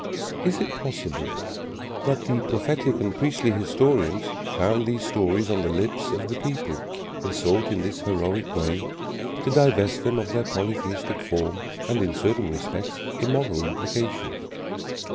Is it possible that the prophetic and priestly historians found these stories on the lips of the people and sought in this heroic way to divest them of their polytheistic form and, in certain respects, immoral implications?